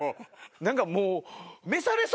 何かもう。